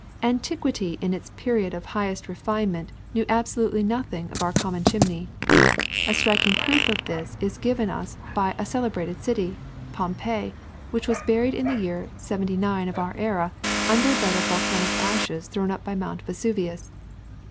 Antiquity in its period of highest refinement knew absolutely nothing of our common chimney. A striking proof of this is given us by a celebrated city, Pompeii, which was buried in the year seventy nine of our era under a bed of volcanic ashes thrown up by Mount Vesuvius.